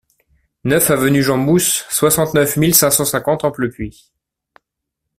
neuf avenue Jean Moos, soixante-neuf mille cinq cent cinquante Amplepuis